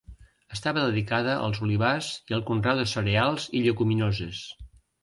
Estava dedicada als olivars i al conreu de cereals i lleguminoses.